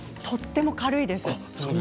とても軽いです。